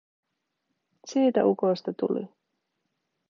Siitä ukosta tuli.